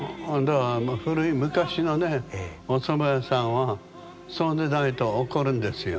古い昔のねおそば屋さんはそうでないと怒るんですよ。